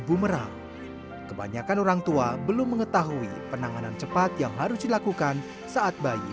bumerang kebanyakan orang tua belum mengetahui penanganan cepat yang harus dilakukan saat bayi